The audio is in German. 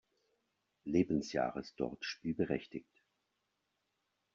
Lebensjahres dort spielberechtigt.